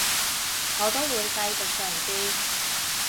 我都會繼續嘗試